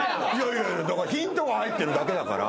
いやいやヒントが入ってるだけだから。